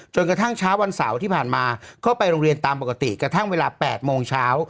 กระทั่งเช้าวันเสาร์ที่ผ่านมาก็ไปโรงเรียนตามปกติกระทั่งเวลา๘โมงเช้า